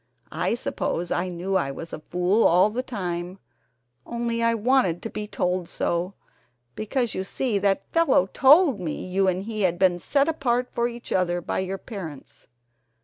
I suppose I knew I was a fool all the time, only I wanted to be told so, because you see that fellow told me you and he had been set apart for each other by your parents